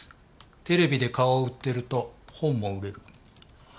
テレビで顔を売ってると本も売れる。